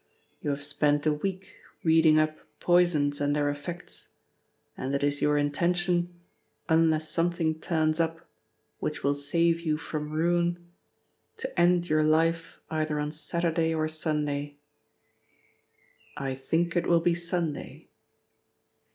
You have spent a week reading up poisons and their effects, and it is your intention, unless something turns up which will save you from ruin, to end your life either on Saturday or Sunday. I think it will be Sunday."